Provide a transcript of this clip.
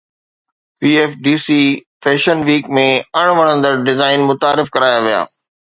PFDC fashion week ۾ اڻ وڻندڙ design متعارف ڪرايا ويا